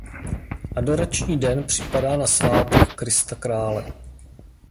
Adorační den připadá na svátek Krista Krále.